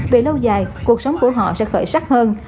về lâu dài cuộc sống của họ sẽ khởi sắc hơn